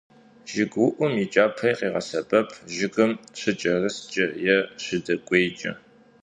ЖыгыуIум и кIапэри къегъэсэбэп жыгым щыкIэрыскIэ е щыдэкIуейкIэ.